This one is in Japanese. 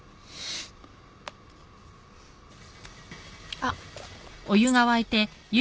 あっ。